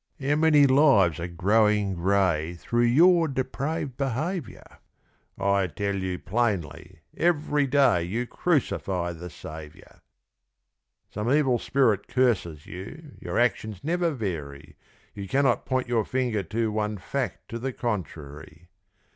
How many lives are growing gray Through your depraved behaviour! I tell you plainly every day You crucify the Saviour! Some evil spirit curses you Your actions never vary: You cannot point your finger to One fact to the contrary.